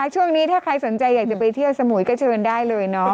ช่วงนี้ถ้าใครสนใจอยากจะไปเที่ยวสมุยก็เชิญได้เลยเนาะ